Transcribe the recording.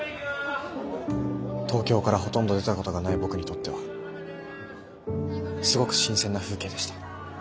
東京からほとんど出たことがない僕にとってはすごく新鮮な風景でした。